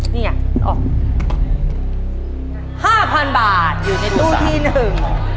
เนี่ยออกห้าพันบาทอยู่ในตู้ที่หนึ่ง